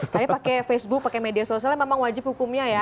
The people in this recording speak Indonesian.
tapi pakai facebook pakai media sosial memang wajib hukumnya ya